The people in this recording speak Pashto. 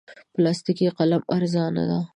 پلاستیکي قلم ارزانه دی.